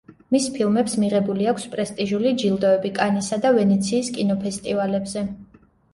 მის ფილმებს მიღებული აქვს პრესტიჟული ჯილდოები კანისა და ვენეციის კინოფესტივალებზე.